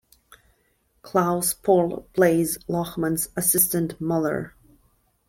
Klaus Pohl plays Lohmann's assistant Muller.